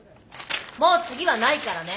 もう次はないからね！